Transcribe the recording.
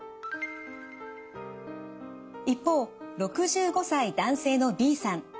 一方６５歳男性のＢさん。